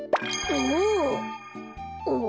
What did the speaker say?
おお？